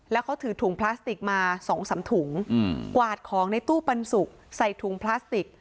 แล้วเขาถือถุงพลาสติกมาสองสามถุงกวาดของในตู้ปันสุกใส่ถุงพลาสติก